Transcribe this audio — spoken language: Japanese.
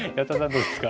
どうですか？